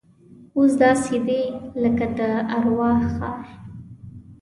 اوس داسې دی لکه د ارواو ښار.